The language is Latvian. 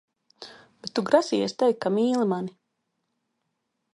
Bet tu grasījies teikt, ka mīIi mani!